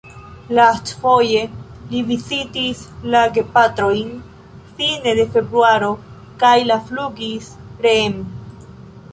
Lastfoje li vizitis la gepatrojn fine de februaro kaj la flugis reen.